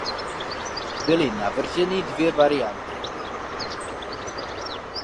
Byly navrženy dvě varianty.